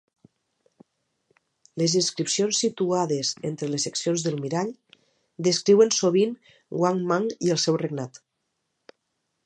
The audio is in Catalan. Les inscripcions situades entre les seccions del mirall descriuen sovint Wang Mang i el seu regnat.